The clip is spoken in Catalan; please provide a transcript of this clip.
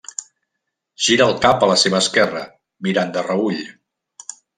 Gira el cap a la seva esquerra, mirant de reüll.